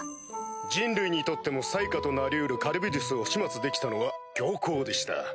人類にとっても災禍となり得るカリュブディスを始末できたのは僥倖でした。